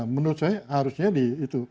menurut saya harusnya diitu